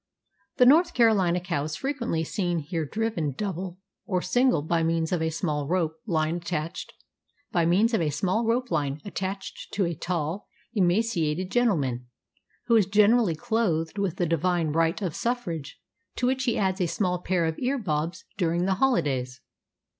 The North Carolina cow is frequently seen here driven double or single by means of a small rope line attached to a tall, emaciated gentleman, who is generally clothed with the divine right of suffrage, to which he adds a small pair of ear bobbs during the holidays.